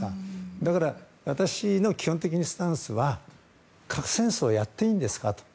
だから、私の基本的なスタンスは核戦争をやっていいんですかと。